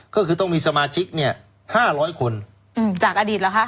ก็คือต้องมีสมาชิกเนี่ยห้าร้อยคนอืมจากอดีตแล้วฮะ